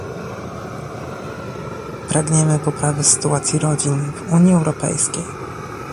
Pragniemy poprawy sytuacji rodzin w Unii Europejskiej